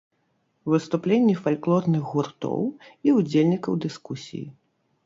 Выступленні фальклорных гуртоў і ўдзельнікаў дыскусіі.